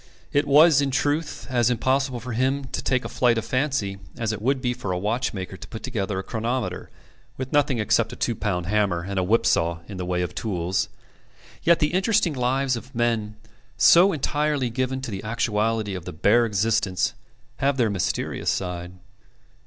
It was, in truth, as impossible for him to take a flight of fancy as it would be for a watchmaker to put together a chronometer with nothing except a two pound hammer and a whip saw in the way of tools. Yet the uninteresting lives of men so entirely given to the actuality of the bare existence have their mysterious side.